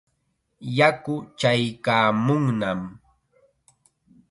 Yaku chaykaamunnam.